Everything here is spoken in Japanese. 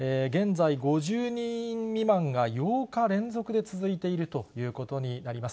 現在、５０人未満が８日連続で続いているということになります。